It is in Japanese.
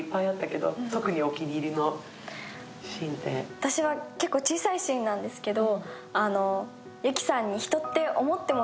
私は結構、小さいシーンなんですけど。